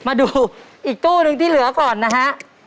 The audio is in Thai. มาดูอีกตู้นึงที่เหลือก่อนนะฮะ